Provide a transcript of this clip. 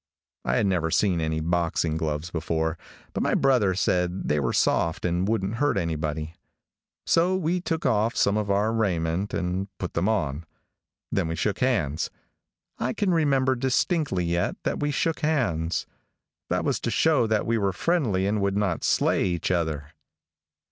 I had never seen any boxing gloves before, but my brother said they were soft and wouldn't hurt anybody. So we took off some of our raiment and put them on. Then we shook hands. I can remember distinctly yet that we shook hands. That was to show that we were friendly and would not slay each other.